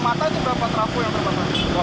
apinya terlihat terluar